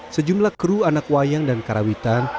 sejumlah kru anak wayang dan karawitan